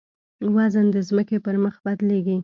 وزن د ځمکې پر مخ بدلېږي.